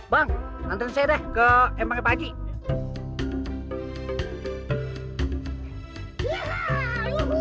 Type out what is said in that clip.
bang nantensnya deh ke empangnya pak haji